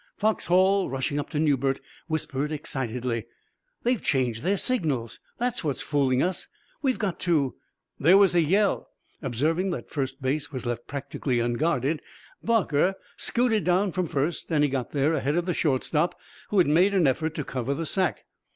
Foxhall, rushing up to Newbert, whispered excitedly: "They've changed their signals! That's what's fooling us. We've got to " There was a yell. Observing that second base was left practically unguarded, Barker scooted down from first, and he got there ahead of the shortstop, who made an effort to cover the sack.